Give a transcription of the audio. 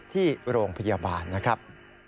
ที่โรงพยาบาลนะครับ